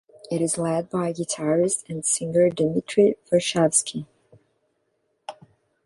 It is led by guitarist and singer Dmitry Varshavsky.